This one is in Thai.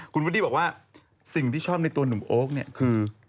คุณวุดดี้บอกว่าสิ่งที่ชอบในตัวหนุ่มโอ๊คเนี่ยคือ